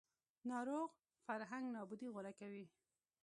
ناروغ فرهنګ نابودي غوره کوي